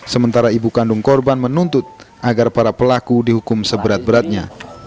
sementara ibu kandung korban menuntut agar para pelaku dihukum seberat beratnya